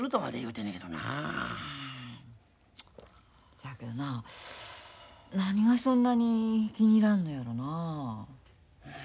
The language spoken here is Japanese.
せやけどな何がそんなに気に入らんのやろなあ。